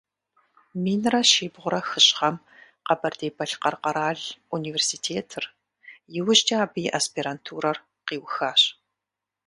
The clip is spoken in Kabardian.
Минрэ щибгъурэ хыщӏ гъэм Къэбэрдей-Балъкъэр къэрал университетыр, иужькӀэ абы и аспирантурэр къиухащ.